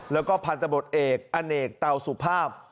แล้วก็พลตบตร์เอกอเนกเตาสุภาพ